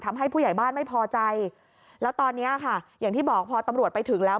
ผู้ใหญ่บ้านไม่พอใจแล้วตอนนี้ค่ะอย่างที่บอกพอตำรวจไปถึงแล้ว